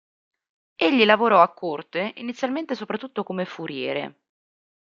Egli lavorò a corte inizialmente soprattutto come furiere.